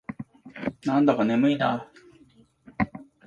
なんだか眠いな。